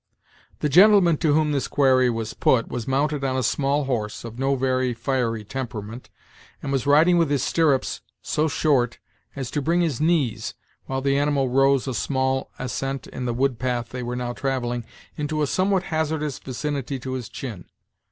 The gentleman to whom this query was put was mounted on a small horse, of no very fiery temperament, and was riding with his stirrups so short as to bring his knees, while the animal rose a small ascent in the wood path they were now travelling, into a somewhat hazardous vicinity to his chin.